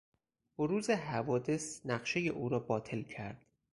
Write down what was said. بروز حوادث نقشهٔ او را باطل کرد.